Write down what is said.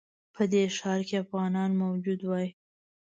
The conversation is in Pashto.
په دې ښار کې افغانان موجود وای.